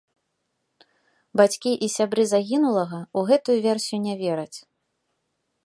Бацькі і сябры загінулага ў гэтую версію не вераць.